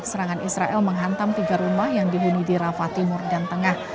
serangan israel menghantam tiga rumah yang dihuni di rafa timur dan tengah